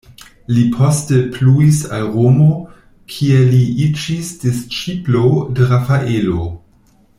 Li poste pluis al Romo, kie li iĝis disĉiplo de Rafaelo.